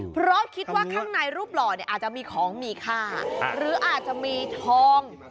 เพราะคิดว่าข้างในรูปหล่อเนี่ยอาจจะมีของมีค่าหรืออาจจะมีทอง